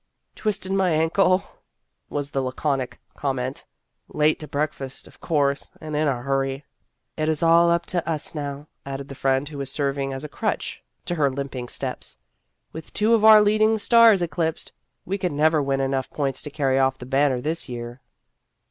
" Twisted my ankle," was the laconic comment ;" late to breakfast, of course, and in a hurry." " It is all up with us now," added the friend who was serving as a crutch to her 1 64 Vassar Studies limping steps ;" with two of our leading stars eclipsed, we can never win enough points to carry off the banner this year."